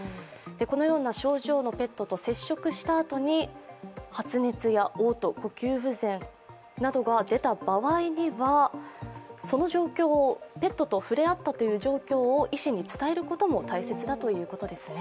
このような症状のペットと接触したあとに発熱やおう吐、呼吸不全などが出た場合には、ペットと触れ合ったという状況を医師に伝えることも大切だということですね。